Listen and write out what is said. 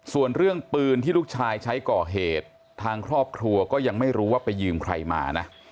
ส่วนเรื่องปืนที่ลูกชายใช้ก่อเหตุทางครอบครัวก็ยังไม่รู้ว่าไปยืมใครมานะ